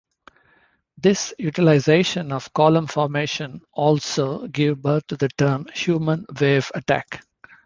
This utilization of column formation also give birth to the term human wave attack.